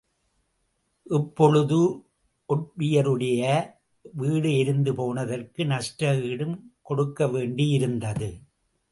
இப்பொழுது ஒட்வியருடைய வீடு எரிந்து போனதிற்கு நஷ்ட ஈடும் கொடுக்கவேண்டியிருந்தது.